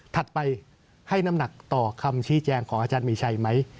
ไปให้น้ำหนักต่อคำชี้แจงของอาจารย์มีชัยไหม